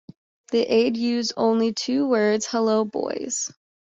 The ad used only two words: Hello boys.